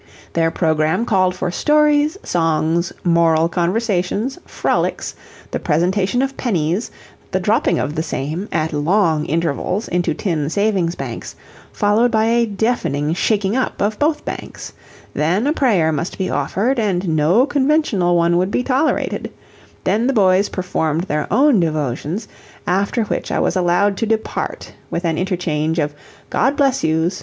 Their program called for stories, songs, moral conversations, frolics, the presentation of pennies, the dropping of the same, at long intervals, into tin savings banks, followed by a deafening shaking up of both banks; then a prayer must be offered, and no conventional one would be tolerated; then the boys performed their own devotions, after which I was allowed to depart with an interchange of "God bless you's."